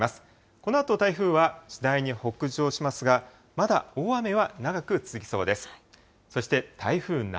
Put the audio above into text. このあと台風は次第に北上しますが、まだ大雨は長く続きそうです。